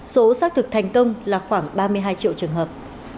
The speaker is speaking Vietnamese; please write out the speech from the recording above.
số xác thực thành công là khoảng ba mươi hai triệu trường hợp